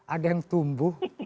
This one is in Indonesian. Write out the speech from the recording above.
ada yang tumbuh